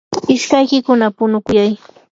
ishkaykikuna punukuyay.